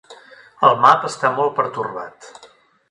El Mab està molt pertorbat.